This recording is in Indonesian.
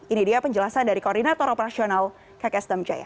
ini dia penjelasan dari koordinator operasional kks damjaya